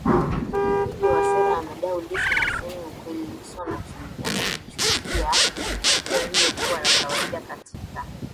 hivyo Wasira amedai Lissu hasemi ukweliLissu analichukulia tukio hilo kuwa la kawaida katika